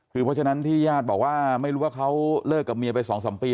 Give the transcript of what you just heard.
คือเพราะฉะนั้นที่ญาติบอกว่าไม่รู้ว่าเขาเลิกกับเมียไป๒๓ปี